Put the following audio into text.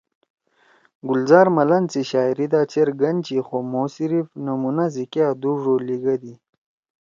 گلزار ملن سی شاعری دا چیر گن چھی خو مھو صرف نمونا سی کیا دُو ڙو لیِگیِدی۔